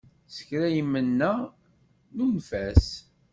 S kra nmenna, nunef-as.